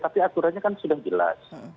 tapi aturannya kan sudah jelas